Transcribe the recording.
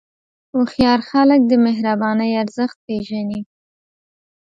هوښیار خلک د مهربانۍ ارزښت پېژني.